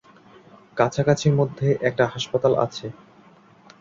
কাছাকাছির মধ্যে একটা হাসপাতাল আছে।